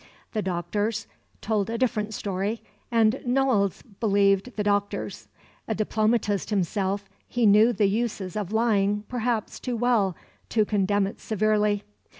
The doctors told a different story, and Noailles believed the doctors. A diplomatist himself, he knew the uses of lying perhaps too well to condemn it severely.